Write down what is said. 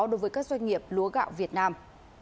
đối với các doanh nghiệp lúa gạo việt nam